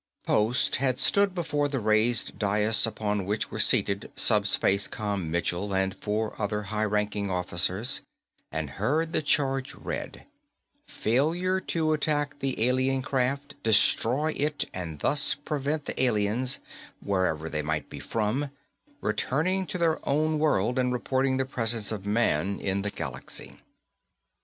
Post had stood before the raised dais upon which were seated SupSpaceCom Michell and four other high ranking officers and heard the charge read failure to attack the alien craft, destroy it, and thus prevent the aliens wherever they might be from returning to their own world and reporting the presence of man in the galaxy.